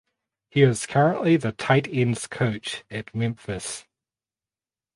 He is currently the tight ends coach at Memphis.